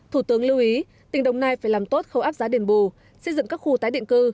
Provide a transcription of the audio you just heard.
thủ tướng lưu ý tỉnh đồng nai phải làm tốt khâu áp giá đền bù xây dựng các khu tái định cư